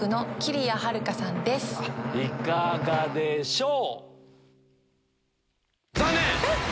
いかがでしょう？